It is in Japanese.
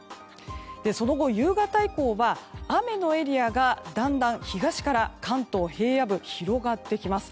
その後、夕方以降は雨のエリアがだんだん東から関東平野部に広がってきます。